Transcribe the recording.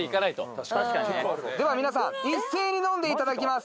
では皆さん一斉に飲んでいただきます。